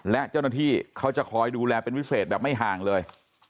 และเจ้าหน้าที่เขาจะคอยดูแลเป็นพิเศษแบบไม่ห่างเลย